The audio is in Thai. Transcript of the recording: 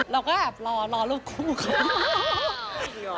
เราก็แอบรอรอรูปคุ้ม